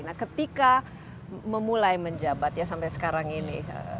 nah ketika memulai menjabat ya sampai sekarang ini